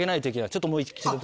ちょっともう一度。